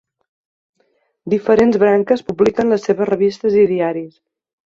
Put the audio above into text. Diferents branques publiquen les seves revistes i diaris.